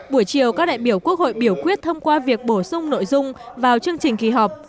buổi chiều các đại biểu quốc hội biểu quyết thông qua việc bổ sung nội dung vào chương trình kỳ họp